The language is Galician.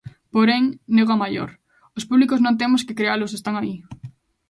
Porén, nego a maior: os públicos non temos que crealos, están aí.